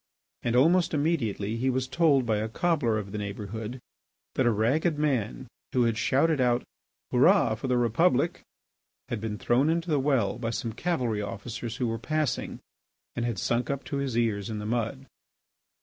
And almost immediately he was told by a cobbler of the neighbourhood that a ragged man who had shouted out "Hurrah for the Republic!" had been thrown into the well by some cavalry officers who were passing, and had sunk up to his ears in the mud.